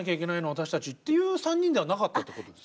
私たち」っていう３人ではなかったってことですか。